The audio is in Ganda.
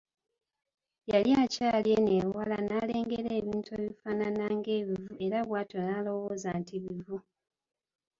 Yali akyali eno ewala n’alengera ebintu ebifaanana ng’ebivu era bwatyo n’alowooza nti bivu.